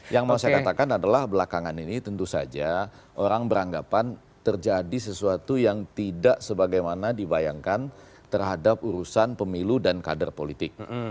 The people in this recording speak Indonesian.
yang mau saya katakan adalah belakangan ini tentu saja orang beranggapan terjadi sesuatu yang tidak sebagaimana dibayangkan terhadap urusan pemilu dan kader politik